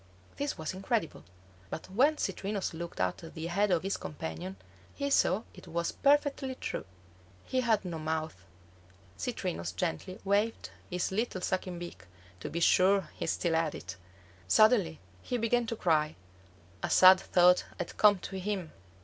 This was incredible; but when Citrinus looked at the head of his companion, he saw it was perfectly true. He had no mouth. Citrinus gently waved his little sucking beak, to be sure he still had it. Suddenly he began to cry; a sad thought had come to him.